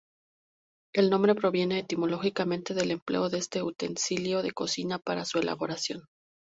El nombre proviene etimológicamente del empleo de este utensilio de cocina para su elaboración.